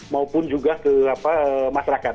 maupun juga ke masyarakat